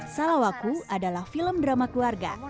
salawaku adalah film drama keluarga